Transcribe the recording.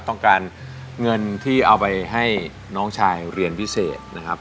ต้องการเงินที่เอาไปให้น้องชายเรียนพิเศษนะครับ